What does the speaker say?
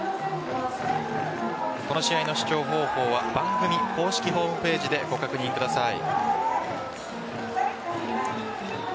この試合の視聴方法は番組公式ホームページでご確認ください。